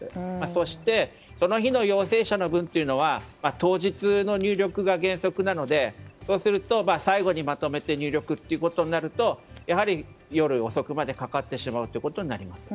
そして、その日の陽性者の分は当日の入力が原則なのでそうすると最後にまとめて入力となるとやはり、夜遅くまでかかってしまうことになります。